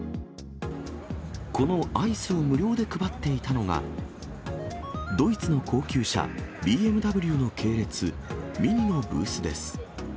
このアイスを無料で配っていたのが、ドイツの高級車、ＢＭＷの系列、ＭＩＮＩのブースです。